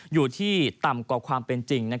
อยู่ที่ต่ำกว่าความเป็นจริง